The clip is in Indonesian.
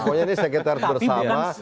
pokoknya ini sekitar bersama